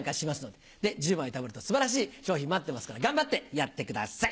で１０枚たまると素晴らしい賞品待ってますから頑張ってやってください！